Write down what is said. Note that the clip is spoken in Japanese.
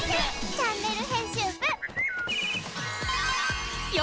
チャンネル編集部へ！